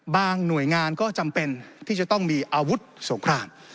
หน่วยงานก็จำเป็นที่จะต้องมีอาวุธสงคราม